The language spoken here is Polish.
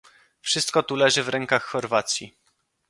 Wszystko tu leży w rękach Chorwacji